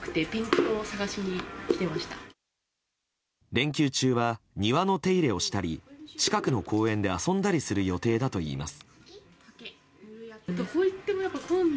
連休中は庭の手入れをしたり近くの公園で遊んだりする予定だといいます。